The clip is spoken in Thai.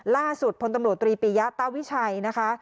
ล่าสุดพลตำรวจตรีปิยะตาวิชัยนะคะ